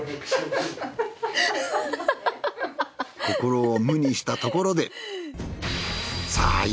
心を無にしたところでさあ